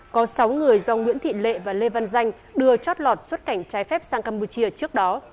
có sáu người do nguyễn thị lệ và lê văn danh đưa chót lọt xuất cảnh trái phép sang campuchia trước đó